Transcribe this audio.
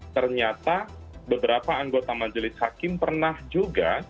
ternyata beberapa anggota majelis hakim pernah juga